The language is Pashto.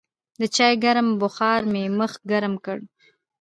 د چای ګرم بخار مې مخ ګرم کړ.